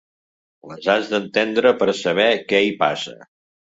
Les has d’entendre per saber què hi passa.